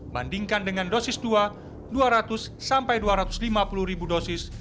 bandingkan dengan dosis dua dua ratus sampai dua ratus lima puluh ribu dosis